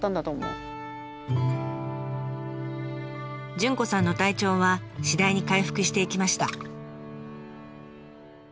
潤子さんの体調は次第に回復していきました。